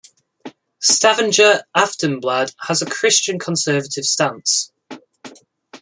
"Stavanger Aftenblad" has a Christian-conservative stance.